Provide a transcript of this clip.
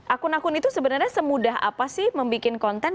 akun akun itu sebenarnya semudah apa sih membuat konten